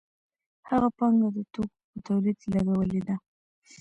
هغه پانګه د توکو په تولید لګولې ده